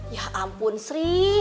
ya ampun sri